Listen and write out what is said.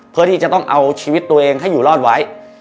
เพื่อที่จะต้องเอาชีวิตตัวเองให้อยู่รอดไว้